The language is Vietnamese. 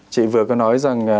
chị vừa có nói rằng